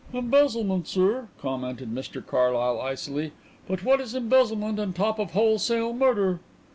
"Embezzlement, sir," commented Mr Carlyle icily. "But what is embezzlement on the top of wholesale murder!"